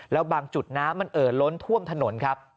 แล้วบางจุดน้ำมันเอ่อล้นท่วมถนนครับ